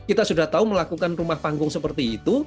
kita sudah tahu melakukan rumah panggung seperti itu